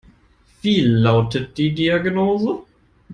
Wie lautet die Diagnose?